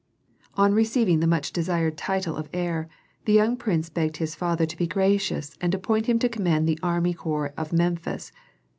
On receiving the much desired title of heir, the young prince begged his father to be gracious and appoint him to command the army corps of Memphis.